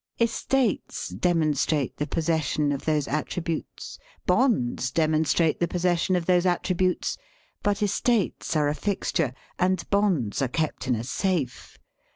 Estates demonstrate the pos session of those attributes ; bonds demonstrate the possession of those attributes. But estates are a fixture, and bonds are kept in a safe.